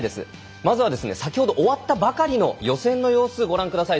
まずは先ほど終わったばかりの予選の様子ご覧ください。